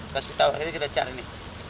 terus kita cari